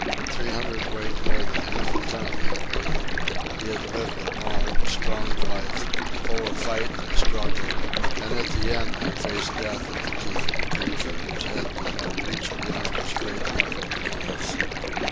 Three hundredweight more than half a ton he weighed; he had lived a long, strong life, full of fight and struggle, and at the end he faced death at the teeth of a creature whose head did not reach beyond his great knuckled knees.